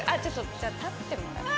じゃあ立ってもらっても。